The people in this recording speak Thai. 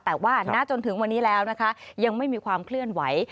แต่ว่าณจนถึงวันนี้แล้วนะคะยังไม่มีความเคลื่อนไหว